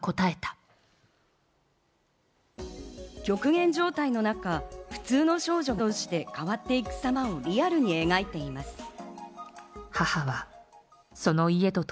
極限状態の中、普通の少女が兵士として変わっていくさまをリアルに描いています。